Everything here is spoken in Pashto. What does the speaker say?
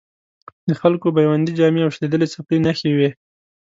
د خلکو بیوندي جامې او شلېدلې څپلۍ نښې وې.